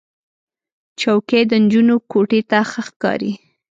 چوکۍ د نجونو کوټې ته ښه ښکاري.